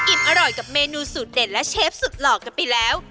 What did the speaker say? อร่อยกับเมนูสูตรเด็ดและเชฟสุดหล่อกันไปแล้ว